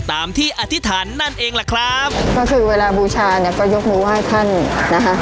ตามที่อธิษฐานนั่นเองล่ะครับก็คือเวลาบูชาเนี่ยก็ยกมือไหว้ท่านนะคะ